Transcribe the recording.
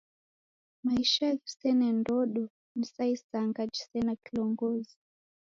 Maisha ghisene ndodo ni sa isanga jisena kilongozi.